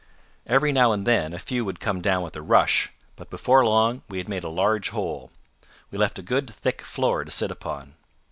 Every now and then a few would come down with a rush, and before long we had made a large hole. We left a good thick floor to sit upon.